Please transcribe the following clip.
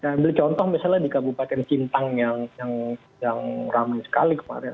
saya ambil contoh misalnya di kabupaten sintang yang ramai sekali kemarin